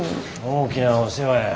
大きなお世話や。